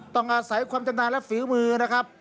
ต้องอาศัยความจำนาและฝีมือนะครับ